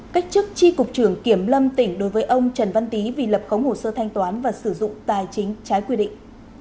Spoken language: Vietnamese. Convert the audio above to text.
cách chức tri cục trưởng kiểm lâm tỉnh đối với ông trần văn tý vì lập khống hồ sơ thanh toán và sử dụng tài chính trái quy định